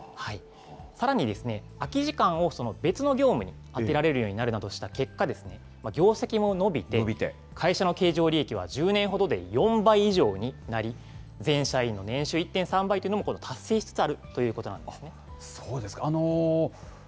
さらに、空き時間を別の業務にあてられるようになるなどした結果ですね、業績も伸びて、会社の経常利益は１０年ほどで４倍以上になり、全社員の年収１．３倍というのも達成しつつあるということそうですか。